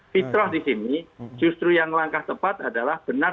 fitrah di sini justru yang langkah tepat adalah benar